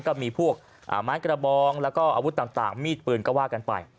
ก็มีพวกไม้กระบองแล้วก็อาวุธต่างมีดปืนก็ว่ากันไป